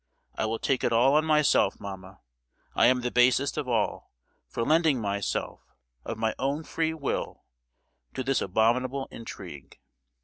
I will take it all on myself, mamma. I am the basest of all, for lending myself, of my own free will, to this abominable intrigue!